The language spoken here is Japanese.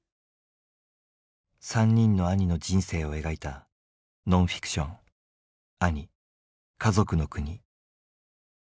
３人の兄の人生を描いたノンフィクション「兄かぞくのくに」。